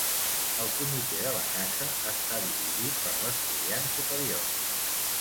El Comitè de la Casa està dirigit per l'estudiant superior.